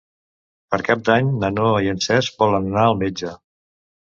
Per Cap d'Any na Noa i en Cesc volen anar al metge.